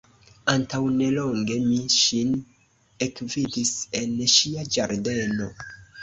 Antaŭnelonge mi ŝin ekvidis en ŝia ĝardeno.